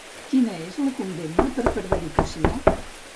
Quina és la condemna per prevaricació?